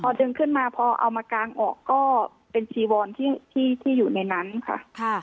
พอดึงขึ้นมาพอเอามากางออกก็เป็นจีวอนที่อยู่ในนั้นค่ะ